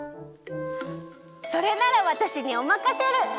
それならわたしにおまかシェル！